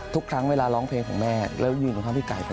ทุกครั้งเวลาร้องเพลงของแม่แล้วยืนตรงข้างพี่ไก่